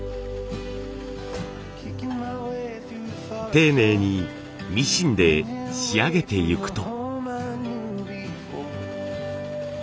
丁寧にミシンで仕上げてゆくと。